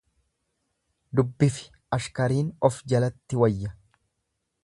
Dubbifi ashkariin of jalatti wayya.